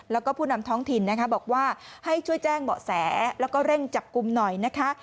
แล้วก็ผู้นำท้องถิ่นนะคะบอกว่าให้ช่วยแจ้งเบาะแสแล้วก็เร่งจับกลุ่มหน่อยนะคะ